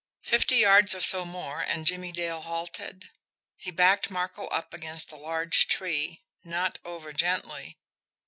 Fifty yards or so more, and Jimmie Dale halted. He backed Markel up against a large tree not over gently.